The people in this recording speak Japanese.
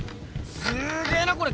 すげえなこれ！